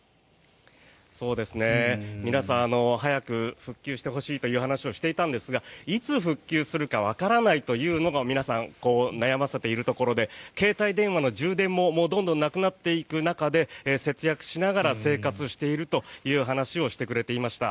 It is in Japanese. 皆さん、早く復旧してほしいという話をしていたんですがいつ復旧するかわからないというのが皆さん、悩ませているところで携帯電話の充電もどんどんなくなっていく中で節約しながら生活しているという話をしてくれました。